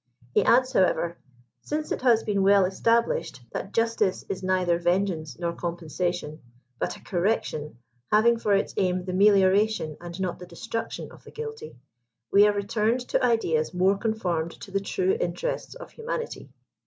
He adds, however, " Since it has been well established that justice is neither vengeance nor compensation, but a correction having for its aim the melioration and not the destruction of the guilty, we are re turned to ideas more conformed to the true interests of humani ty."